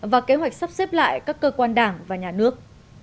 và kế hoạch sắp xếp lại các cơ quan đảng và nhà nước